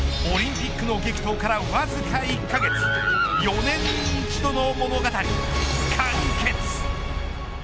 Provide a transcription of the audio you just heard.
オリンピックの激闘からわずか１カ月４年に一度の物語完結。